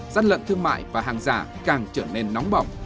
gian lận thương mại và hàng giả càng trở nên nóng bỏng